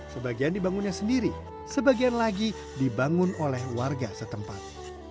sebagian dibangunnya sendiri sebagian lagi dibangun oleh warga setempat